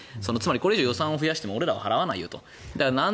これ以上予算を増やしても俺らは払わないよと。